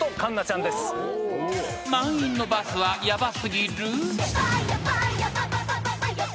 ［満員のバスはヤバ過ぎる？］